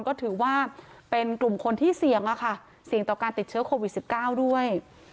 ก็ถือว่าเป็นกลุ่มคนที่เสี่ยงอะค่ะเสี่ยงต่อการติดเชื้อโควิด๑๙ด้วย